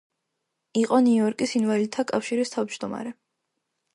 იყო ნიუ-იორკის ინვალიდთა კავშირის თავმჯდომარე.